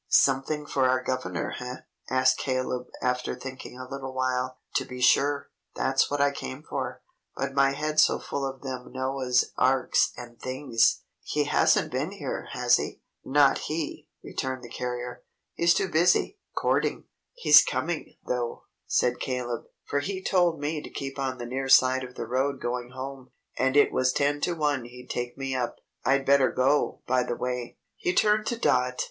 "Something for our governor, eh?" asked Caleb after thinking a little while. "To be sure. That's what I came for; but my head's so full of them Noah's Arks and things! He hasn't been here, has he?" "Not he," returned the carrier. "He's too busy, courting." "He's coming, though," said Caleb; "for he told me to keep on the near side of the road going home, and it was ten to one he'd take me up. I'd better go, by the way." He turned to Dot.